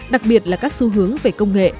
đặc biệt là các xu hướng về công nghệ